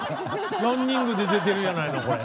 「ランニングで出てるやないのこれ」。